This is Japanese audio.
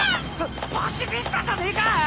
パシフィスタじゃねえか！